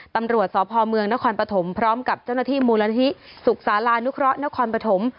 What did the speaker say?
ตำรวจสพเมืองนครปฐมพร้อมกับเจ้าหน้าที่มูลนิธิสุขศาลานุเคราะห์นครปฐม